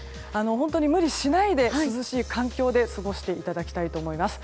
無理しないで涼しい環境で過ごしていただきたいと思います。